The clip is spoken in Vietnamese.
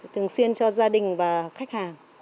thường xuyên cho gia đình và khách hàng